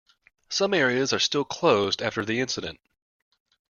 Some areas are still closed after the incident.